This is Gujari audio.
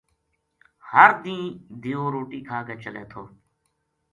ہر دینہ دیو روٹی کھا کے چلے تھو